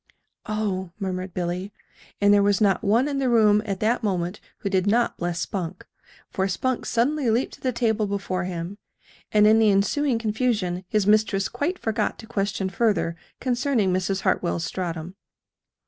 "Oh!" murmured Billy. And there was not one in the room at that moment who did not bless Spunk for Spunk suddenly leaped to the table before him; and in the ensuing confusion his mistress quite forgot to question further concerning Mrs. Hartwell's stratum.